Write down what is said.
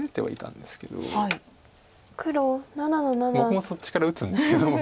僕もそっちから打つんですけども。